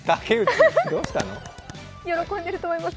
喜んでいると思います。